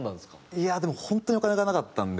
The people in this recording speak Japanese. いやでも本当にお金がなかったんで。